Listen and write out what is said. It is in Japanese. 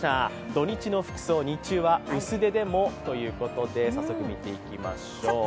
土日の服装、日中は薄手でもということで早速見ていきましょう。